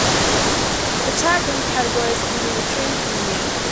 The chatroom categories can be retrieved from here.